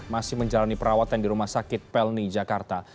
masih menjalani perawatan di rumah sakit pelni jakarta